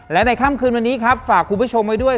และในค่ำคืนวันนี้ครับฝากคุณผู้ชมไว้ด้วย